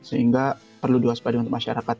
sehingga perlu luas padaan untuk masyarakat